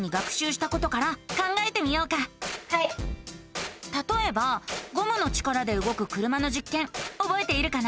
たとえばゴムの力でうごく車のじっけんおぼえているかな？